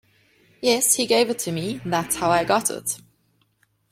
Yes, he gave it to me. That's how I got it.